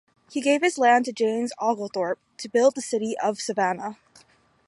He gave his land to James Oglethorpe to build the city of Savannah.